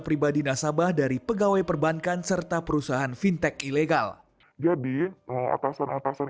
pribadi nasabah dari pegawai perbankan serta perusahaan fintech ilegal jadi atasan atasan